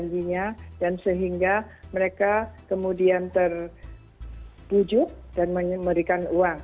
janjinya dan sehingga mereka kemudian terwujud dan memberikan uang